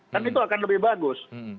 kan itu akan lebih bagus